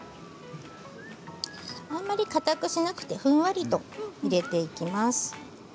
あまりかたくしなくてふんわりと入れていきます。